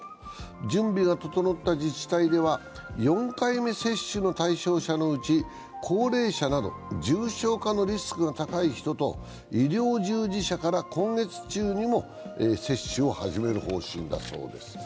準備が整った自治体では、４回目接種の対象者のうち高齢者など重症化のリスクが高い人と医療従事者から今月中にも接種を始める方針だそうです。